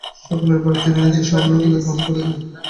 সকলের ভার তিনি নিজের স্কন্ধে গ্রহণ করিলেন।